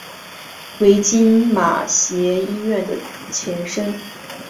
为今马偕医院的前身。